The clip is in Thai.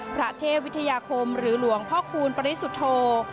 พระเทพวิทยาคมหรือหลวงพ่อคูณปริสุทธโธ